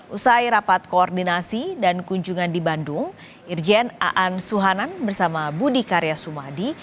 usai rapat koordinasi dan kunjungan di bandung irjen aan suhanan bersama budi karya sumadi